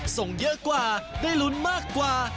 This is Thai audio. ส่งเยอะกว่าได้ลุ้นมากกว่า